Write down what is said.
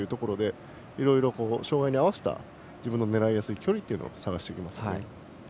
いろいろ障がいに合わせた自分の狙いやすい距離というのを探してきますね。